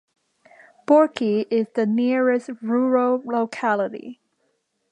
Borki is the nearest rural locality.